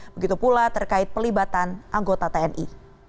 begitu pula terkait pelibatan anggota tni